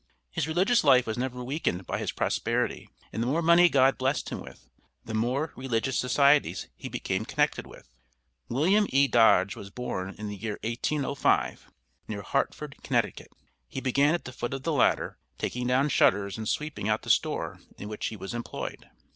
His religious life was never weakened by his prosperity, and the more money God blessed him with, the more religious societies he became connected with. William E. Dodge was born in the year 1805, near Hartford, Connecticut. He began at the foot of the ladder, taking down shutters and sweeping out the store in which he was employed.